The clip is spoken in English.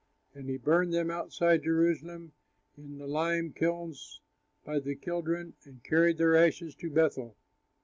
And he burned them outside Jerusalem in the lime kilns by the Kidron, and carried their ashes to Bethel.